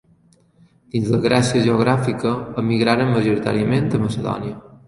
Dins la Grècia geogràfica, emigraren majoritàriament a Macedònia.